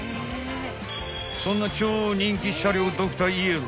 ［そんな超人気車両ドクター